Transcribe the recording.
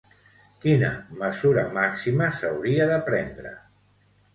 Quina mesura màxima s'hauria de prendre?